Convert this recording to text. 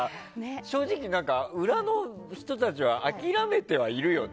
正直、裏の人たちは諦めてはいるよね。